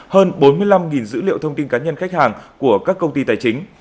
hơn bốn mươi năm dữ liệu thông tin cá nhân khách hàng của các công ty tài chính